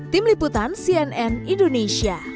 tim liputan cnn indonesia